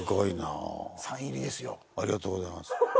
ありがとうございます。